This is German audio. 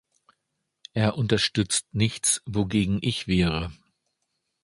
Er unterstützt nichts, wogegen ich wäre.